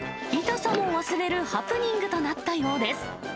痛さも忘れるハプニングとなったようです。